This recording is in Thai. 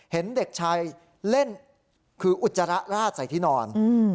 เห็นเด็กชายเล่นคืออุจจาระราดใส่ที่นอน